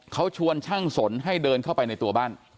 เขาชวนช่างสนให้เดินเข้าไปในตัวบ้าน